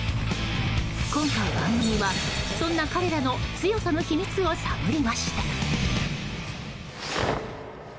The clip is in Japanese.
今回、番組はそんな彼らの強さの秘密を探りました。